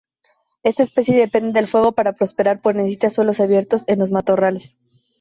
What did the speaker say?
Esta especie depende del fuego para prosperar pues necesita suelos abiertos en los matorrales.